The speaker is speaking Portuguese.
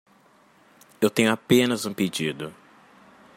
Eu tenho apenas um pedido